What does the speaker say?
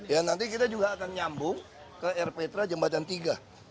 ya nanti kita juga akan nyambung ke rptra jembatan tiga